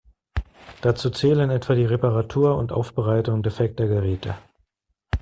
Dazu zählen etwa die Reparatur und Aufbereitung defekter Geräte.